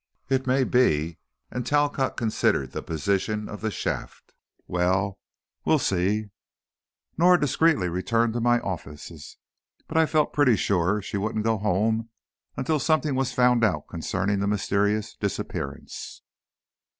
"It may be," and Talcott considered the position of the shaft. "Well, we'll see." Norah discreetly returned to my offices, but I felt pretty sure she wouldn't go home, until something was found out concerning the mysterious disappearance.